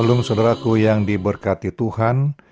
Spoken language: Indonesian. salam saudaraku yang diberkati tuhan